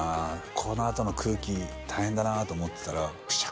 このあとの空気大変だなと思ってたらくしゃ